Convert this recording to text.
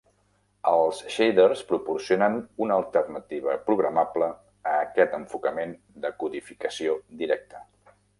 Els "shaders" proporcionen una alternativa programable a aquest enfocament de codificació directa.